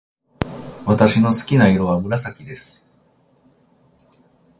私の好きな色は紫です。